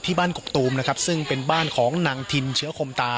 ปกติพี่สาวเราเนี่ยครับเป็นคนเชี่ยวชาญในเส้นทางป่าทางนี้อยู่แล้วหรือเปล่าครับ